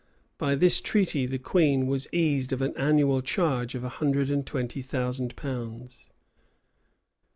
[*] By this treaty, the queen was eased of an annual charge of a hundred and twenty thousand pounds.